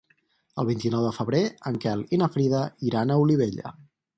El vint-i-nou de febrer en Quel i na Frida iran a Olivella.